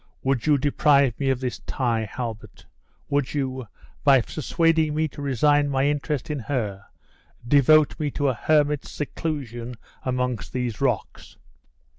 Would you deprive me of this tie, Halbert? Would you, by persuading me to resign my interest in her, devote me to a hermit's seclusion amongst these rocks?